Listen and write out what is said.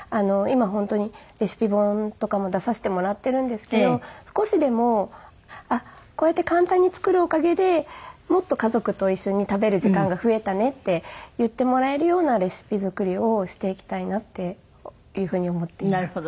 今本当にレシピ本とかも出させてもらってるんですけど少しでもあっこうやって簡単に作るおかげでもっと家族と一緒に食べる時間が増えたねって言ってもらえるようなレシピ作りをしていきたいなっていうふうに思っています。